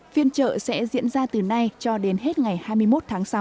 phiên trợ sẽ diễn ra từ nay cho đến hết ngày hai mươi một tháng sáu